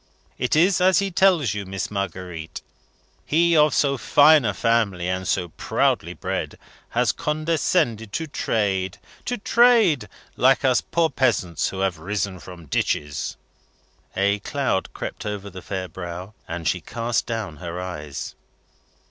It is as he tells you, Miss Marguerite. He, of so fine a family, and so proudly bred, has condescended to trade. To trade! Like us poor peasants who have risen from ditches!" A cloud crept over the fair brow, and she cast down her eyes.